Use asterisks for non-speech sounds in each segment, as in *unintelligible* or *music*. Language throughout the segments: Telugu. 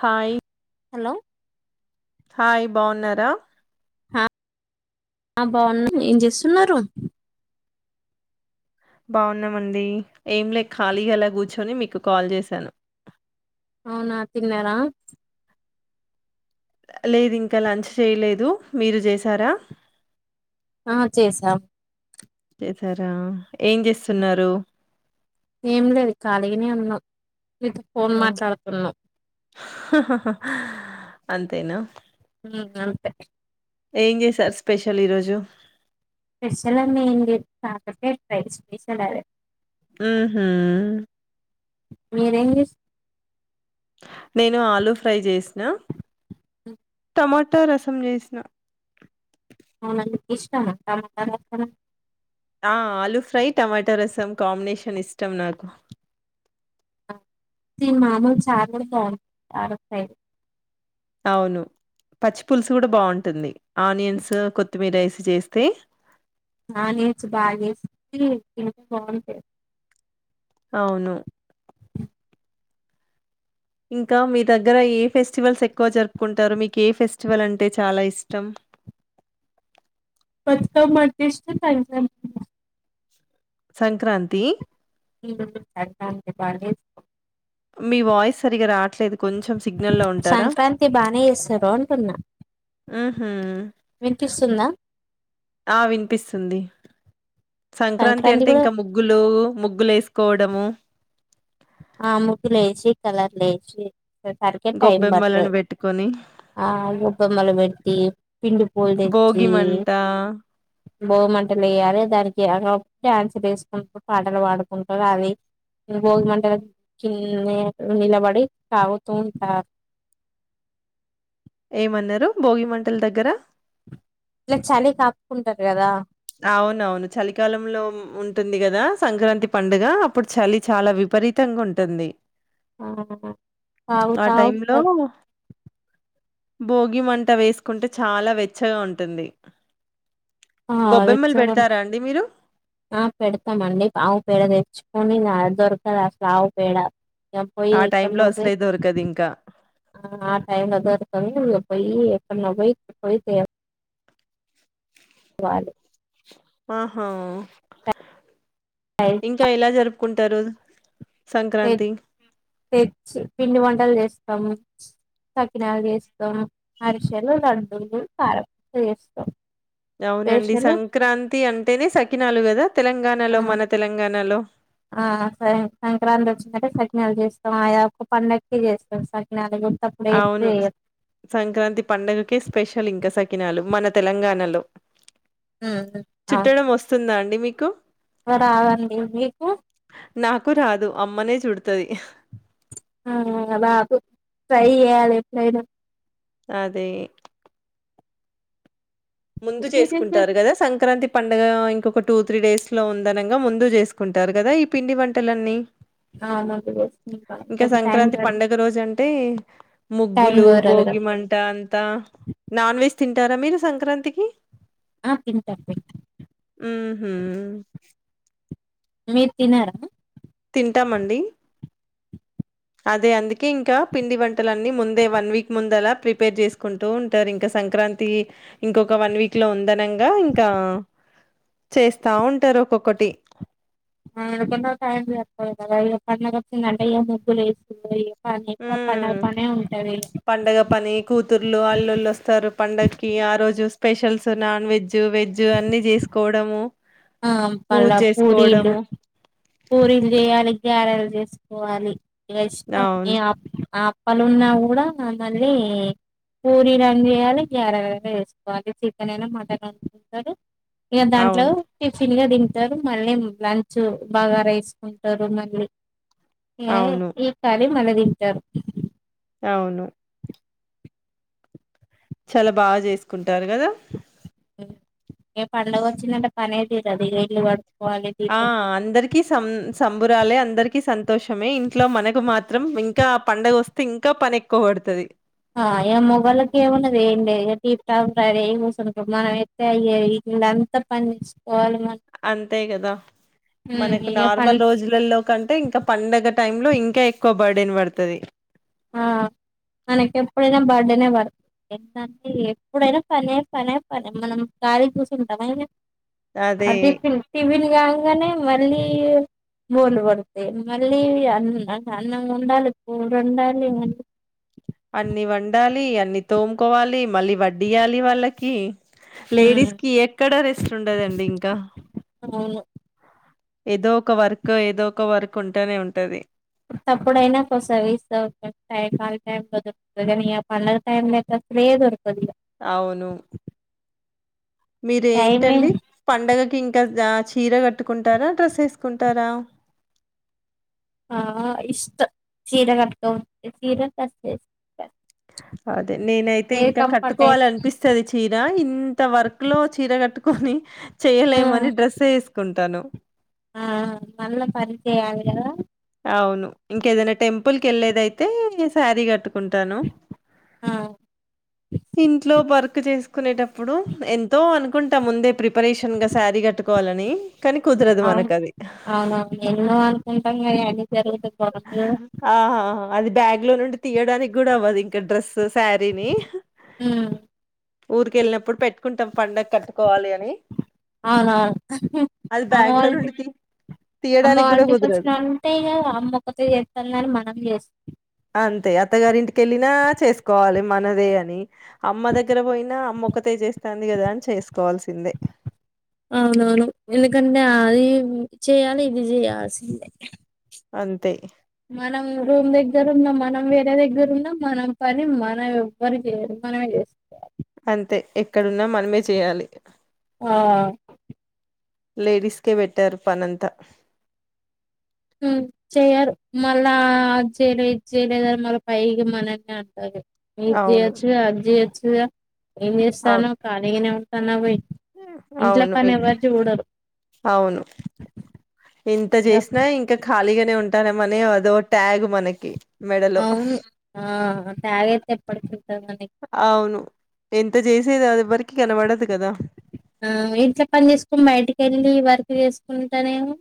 హాయ్ హలో హాయ్ బావున్నారా ఆ *unintelligible* బావున్నా ఏం చేస్తున్నారు బావున్నామండి ఏం లే ఖాళీగలా కూర్చొని మీకు కాల్ చేశాను అవునా తిన్నారా లేదు ఇంకా లంచ్ చేయలేదు మీరు చేసారా ఆ చేసాం చేశారా ఏం లేదు ఖాళీగనే ఉన్నాం మీతో ఫోన్ ఆ. మాట్లాడుతున్నాం అంతేనా ఉమ్మ్ అంతే ఏం చేశారు స్పెషల్ ఈరోజు స్పెషల్ అనేం లేదు కాకరకాయ్ ఫ్రై చేసడారు మ్మ్ హూ మీరేంచేస్ నేను ఆలూ ఫ్రై చేసిన మాటా రసం చేసిన అవునా మీకు ఇష్టమా టమాటా *unintelligible* ఆ ఆలూ ఫ్రై టమాటా రసం కాంబినేషన్ ఇష్టం నాకు కి మామూలు చార్ కూడ బాన్ చారొత్తై అవును పచ్చి పులుసు కూడా బావుంటుంది ఆనియన్స్ కొత్తిమీరైస్ సి చేస్తే ఆనియన్స్ బాగాసి *inaudible* బావుంటాయి అవును ఇంకా మీ దగ్గర ఏ ఫెస్టివల్స్ ఎక్కువ జరుపుకుంటారు మీకు ఏ ఫెస్టివల్ అంటే చాలా ఇష్టం *inaudible* సంక్రాంతి ఉమ్ సంక్రాంతి బా *inaudible* మీ వాయిస్ సరిగ్గా రా సంక్రాంతి బానే చేస్తరు అంటున్నా హుహు. వినిపిస్తుందా ఆ వినిపిస్తుంది సంక్రాంతి అంటే ఇంకా ముగ్గులు, ముగ్గులు వేసుకోవడము. ఆ ముగ్గులు లేసి కలర్లు లేసి సరికే టైం గొబ్బెమ్మలను పడుతది, పెట్టుకొని, ఆ గొబ్బెమ్మలు పెట్టి పిండి పూలు తెచ్చి భోగి మంట. భోగిమంటలు లేయాలి దానికి ఆ హా డ్యాన్స్లు వేసుకుంటు, పాటలు పాడుకుంటరు అది భోగిమంటలు కీ నీ నిలబడి తాగుతూ ఉంటార్ ఏమన్నారు భోగి మంటల్ దగ్గర ఇలా చలి కాపుకుంటరు కదా అవునవును చలికాలంలో ఉంటుంది కదా, సంక్రాంతి పండుగ అప్పుడు చలి చాలా విపరీతంగా ఉంటుంది. ఆ ఆ తాగుతా టైమ్ లో ఉంటారు భోగి మంట వేసుకుంటే చాలా వెచ్చగా ఉంటుంది గొబ్బెమ్మలు పెడతారా అండి మీరు ఆ పెడతామండి ఆవు పేడ తెచ్చుకొని ఆ దొరకదు అసలు ఆవు పేడా *unintelligible* పోయి ఆ టైమ్ ఇక్కడ లో ను పోయి అసలే దొరకదు ఇంకా ఆ టైం *unintelligible* పోయి కన్న పోయ్ పోయ్ తేవ అది ఆహా ఇంకా ఎలా జరుప్ కుంటరు తె తెచ్ పిండి వంటలు చేస్ తం సకినాలు చేస్తాం అరిసెలు లడ్డులు కారపుసాస చేస్తాం అవునండి స్పెషల్ సంక్రాంతి అంటేనే సకినాలు కదా తెలంగాణలో మన తెలంగాణలో ఆ ఆ సరే సంక్రాంతి వచ్చినట్టే సకినాలు చేస్తాం ఆయా ఒక్క పండగకి చేస్తాం సకినాలు గుర్తప్పుడు ఎప్పుడు అవును చేయం సంక్రాంతి పండగకే స్పెషల్ ఇంకా స కినాలు మన తెలంగాణలో ఉమ్, అవును చుట్టడం వస్తుందాండి ఈ మీకు రాదండి మీకు నాకు రాదు అమ్మనే చుడతది ఆఆ రాదు ట్రై చేయాలి ఎప్పుడైనా అదే ముందు చేసుకుంటారు కదా సంక్రాంతి పండగ ఇంకొక టూ త్రీ డేస్ లో ఉందనగా ముందు చేసుకుంటారు కదా ఈ పిండి వంటలన్నీ అవును చేసుకుంటాం. ఇంకా టైం సంక్రాంతి దొరకదు పండుగ రోజు అంటే టైం ముగ్గులు కుదరదు కదా భోగి మంట అంతా నాన్ వెజ్ తింటారా మీరు సంక్రాంతి కి ఆ తింటాం తింటాం ఉమ్ మీరు తినారా తింటామండి అదే అందుకే ఇంకా పిండి వంటలన్నీ ముందే వన్ వీక్ ముందుల ప్రిపేర్ చేసుకుంటూ ఉంటారు ఇంకా సంక్రాంతి ఇంకొక వన్ వీక్ లో ఉందనంగా ఇంకా చేస్తా ఉంటారు ఒక్కొక్కటి ఆడికైన టైం సరిపోదు కదా పండుగ వచ్చింది అంటే ముగ్గులు వేసుకుంటాం హ్మ్మ్ పండగ పని కూతుర్లు అల్లుళ్ళు వస్తారు పండగకి ఆ రోజు specials non veg food veg అన్ని చేసుకోవడము ఆ పూజ మళ్ళా పూరీలు చేసుకోవడము పూరీలు చేయాలి గారెల్ చేసుకోవాలి ఎవరిష్టం అవును ఆపిన పనీ ఉన్న కూడా మళ్ళీ పూరిలైన చేయాలి గారలైన వేసుకోవాలి చికెన్ అయిన మటన్ ఇగ దాంట్లో అవును. చినగా తింటారు మళ్ళీ లంచ్ బగారా వేసుకుంటారు మళ్ళీ ఏ అవును. ఈ కరి మల్ల తింటారు అవును చాలా బాగా చేసుకుంటారు కదా హు ఏ పండుగ వచ్చిందంటే పని అయితది *unintelligible* ఆ అందరికీ సం సంబురాలే అందరికీ సంతోషమే ఇంట్లో మనకు మాత్రం ఇంకా పండగ వస్తే ఇంకా పని ఎక్కువ పడుతుది ఇక మొగోళ్ళకి ఏం ఉన్నది ఏడి ఇక టీప్ టాప్ కూసుకుంటారు మనం ఎయితే అయ వీ ఎంత పని చేసుుకోవాలి అంతే కదా ఉమ్ మనకు ఇగ పన్ నార్మల్ రోజులలో కంటే ఇంకా పండగ టైమ్ లో ఇంకా ఎక్కువ బర్డన్ పడుతది ఆ మనకి ఎప్పుడైనా బర్త్డేనే పడుతుంది ఎంటంటే ఎప్పుడైనా పనే పనే పనే మనం ఖాళీ కూసుంటామా ఏమైనా అదే అది పిల్లితివిని గాదు అనే మళ్ళీ బూలు పడతాయి మళ్ళీ అన్ని అన్నం ఉండాలి పూవులు ఉండాలి లేమండి అన్ని వండాలి అన్ని తోముకోవాలి మళ్ళీ వడ్డీయ్యాలి వాళ్ళకి లేడీస్ ఉమ్ కి ఎక్కడ రెస్ట్ ఉండదండి ఇంకా అవును ఏదో ఒక వర్క్ ఏదో ఒక వర్క్ ఉంటేనే ఉంటది ఉతప్పుడైనా కొసవిస్ దొరుకుతది టైమ్ గాని టైమ్లో దొరుకుతది కానీ ఇక పంండగ టైమ్లో ఆయితే అసలే దొరకదు అవును టైమే మీరేంటండి పండుగకి ఇంకా ఆ చీర కట్టుకుంటారా డ్రస్ ఏసుకుంటారా ఆ ఇష్ట చీర కట్కంది చీర కట్చ అదే నేనైతే ఇంకా అయితే కట్టుకోవాల అనిపిస్తుది చీర ఇంత వర్క్ లో చీర కట్టుకొని చేయలేమని డ్రెస్ వేసుకుం తను ఆ మళ్ళా పని చేయాలి కదా అవును ఇంకేదైనా టెంపుల్ కెళ్ళేదయితే సారి కట్టు టను ఆ ఇంట్లో వర్క్ చేసుకునేటప్పుడు ఎంతో అను కుంట ముందే ప్రీప్ ఆపరేషన్ గా సారి కట్టుకోవాలని కానీ కుదరదు ఆ మనకు అది అవునా ఎన్నో అనుకుంటాం అది ఆహా హా అది బ్యాగ్ లో నుండి తీయడానికి కూడా అవ్వదు ఇంక డ్రస్ సారీ నీ ఉమ్, ఊరిక వెళ్ళినప్పుడు పెట్టుకుంటాం పండక్కి కట్టుకోవాలి అని అవునవును అది అమ్మ బ్యాగ్ లో వాళ్ళంటి నుండి తీ అమ్మ తీయడానికి కూడా వాళంటికి వచ్చిన కుదరదు అంటేయి అమ్మ చేస్తన్నారుని మనం చేస్తం అంతే అత్తగారింటికె వెళ్ళినా చేసుకోవాలి మనదే అని అమ్మ దగ్గర పోయినా అమ్మ ఒకతే చేస్తుంది కదా అని చేసుకోవాల్సిందే అవునవును ఎందుకంటే అది చేయాలి ఇది చేయాల్సిందే అంతే మనం రూమ్ దగ్గరు ఉన్న మనం వేరే దగ్గర ఉన్న మనం పని మనం ఎవ్వరు చేయరు మనమే చేసుకోవాలి అంతే ఎక్కడున్న మనమే చేయాలి ఆ లేడీస్కె వెట్టర్ ఫనంత మ్ చేయ్యరు మళ్ళా చేయలే ఇది చేయలేదని మళ్ళీ పైకి మనని అంటారు. ఇజ్ అవును చేయొచ్చుగా అద్ చేయొచ్చుగా ఏం అవును చేస్తానవ్ ఖాళిగానే ఉ తన వై అవును అవును ఇంత ఇగ చేసినా ఇంకా ఖాళీగానే ఉంటానమని అదో ట్యాగ్ మనకి మెడలో అవును ఆ తేగైతే ఎప్పటికి ఉంటదో నీకు అవును ఎంత చేసేది అది బరి కనబడదు కదా ఆ ఏం చెప్పని చేసుకో బయటకిళ్ళి వర్క్ చేసుకుంటానేమో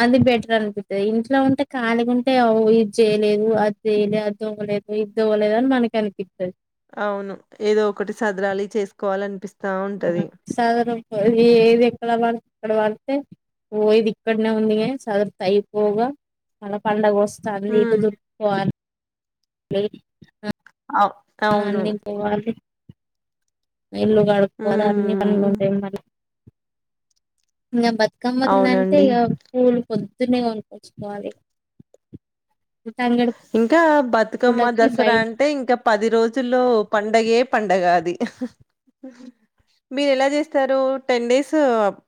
అది బెటర్ అనిపిస్తుది ఇంట్లో ఉంటే ఖాళీగా ఉంటే ఇది చేయలేదు అది చేయలేదు అదివ్వలేదు ఇదివ్వలేదు అని మనకు అనిపిస్తది అవును ఏదో ఒకటి సదరాలి చేసుకోవాలనిపిస్తా ఉంటది. సాధారణ ఎది ఎక్క ఇక్కడ పడితే ఓ ఇది ఇక్కడనే ఉంది గా సదురుతే అయిపోగా మల్ల పండగ వస్ సర్లే ఇక హ్మ్ *inaudible* *inaudible* ఔ ఆ అవును అన్ని పోవాలి, ఇల్లు కడుక్కోవాలి అన్నీ పనులు హ్మ్ ఉంటాయి మళ్ళీ ఇంగ బతుకమ్మ *inaudible* అంటే అవునండి ఇగ పూలు పొద్ దున్నే గొనుక్కొచ్చుకోవాలి ఇంక బతుకమ్మ దసరా బయట అంటే ఇంక పది రోజుల్లో పండగే పండగ అది మీరు ఎలా చేస్తారు టెన్ డేస్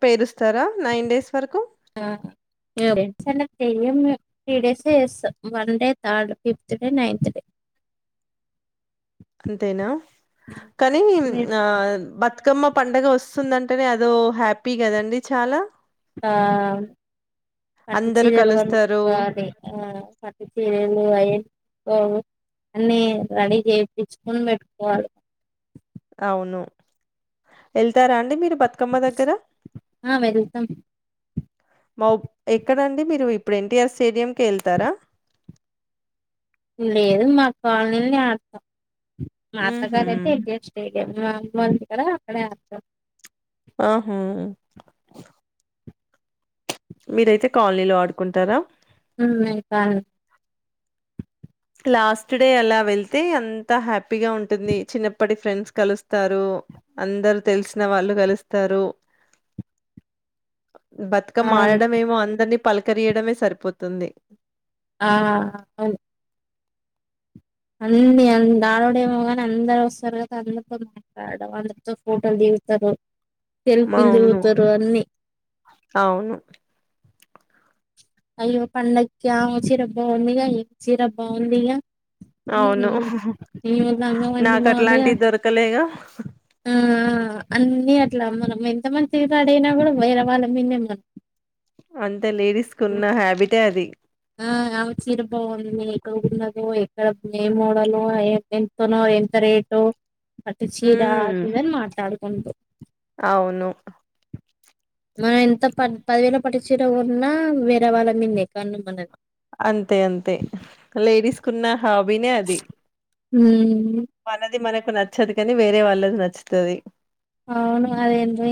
పేరుస్తారా నైన్ డేస్ వరకు *inaudible* చయ్యం మేం త్రీ డేస్ ఏ చేస్తా one day third fifth day ninth day అంతేనా కానీ ఆ బతు కమ్మ పంండగ వస్తుందంటేనే అదో హ్యాపీ కదండి చాలా ఆ పట్టు అందరు చీరలు కలుస్తారు కొనుక్కోవాలి ఆ పట్టు చీరలు అయన్ ఓ అన్ని రెడీ చెప్పిచ్చుకొని పెట్టుకోవాలి అవును ఎల్ తార అండి మీరు బతుకమ్మ దగ్గర ఆ వెళ్తాం వావ్ ఎక్కడండి మీరు ఇప్పుడు ఎన్టీఆర్ స్టేడియం కే ఎళ్తారా లేదు మా కాలనీ లనే ఆడతాం మా ఊహూ అత్తగారంటే ఇంకేం చెయ్యలేము మా అమ్మోళ్ళింటికాడ అక్కడే ఆడతాం ఆ హూ మీరయితే కాలనీలో ఆడుకుంటారా హుమ్ మీ కాల్ లాస్ట్ డే అలా వెళ్తే అంత హ్యాపీగా ఉంటుంది, చిన్నప్పటి ఫ్రెండ్స్ కలుస్తారు, అందరు తెలిసిన వాళ్ళు కలుస్తారు. బతుకమ్మ ఆడడమేమో అందర్నీ పలకరీయడమే సరిపోతుంది ఆ నన్ అన్ని దడోడేమో కాని అందరు వస్తారు కదా అందరితో మాట్లాడడం అందరితో ఫోటోలు దిగుతారు సెల్ఫీలు అవును దిగుతారు అన్ని అవును అయ్యో పండక్క చీర బాగుంది అయో చీర బాగుంది ఇక అవును ఇవంగా మంది నాకు మదయ అట్లాంటివి దొరకలేగా ఆ అన్ని అట్లా మనం ఎంత మంది అడ అయినా కూడా వేరే వాళ్ళ మీదే మనం ఆం అ లేడీస్ కు ఉన్న హ్యాబిటే అది ఆ ఆ చీర బావంది ఇక్కడ ఉన్నదు ఎక్కడ ఏ మోడల్ ఎంతనో ఎంత రేటు అట్ చీరా హ్మ్ ఇదన్ మాట్లాడు ఉంట అవును మనం ఎంత ప పదివేలో పటించర ఉన్నా వేరే వాళ్ళ మీదే కాన్నా మన అంతే అంతే లేడీస్ కున్న హాబీనే అది హ్మ్ మనది మనకు నచ్చదు కాని వేరే వాళ్ళది నచ్చుతుది అవును అదేంటే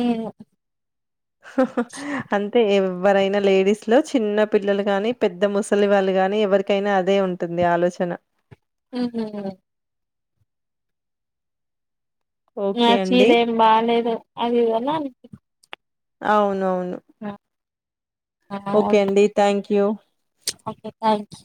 హా హా హ్మ్ ఆంథే ఎమ్ ఎవరైనా లేడీస్ లో చిన్న పిల్లలు గాని పెద్ద ముసలి వాళ్ళు గాని ఎవరికైనా అదే ఉంటుంది ఆలోచన ఉమ్మ్ ఆ ఓకే అండి చీరేం బాలేదు ఆది ఎధి అనా అవునవును ఓకే ట అండి thank you okay thank you